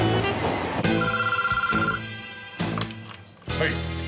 はい。